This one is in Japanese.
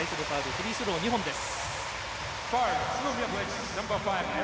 フリースロー２本です。